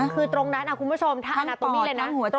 คือตรงนั้นคุณผู้ชมทั้งปอดทั้งหัวใจ